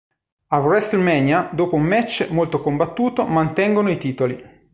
A Wrestlemania, dopo un match molto combattuto, mantengono i titoli.